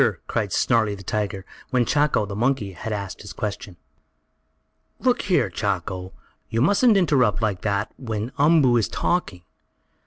cried Snarlie, the tiger, when Chako, the monkey, had asked his question. "Look here, Chako! You mustn't interrupt like that when Umboo is talking!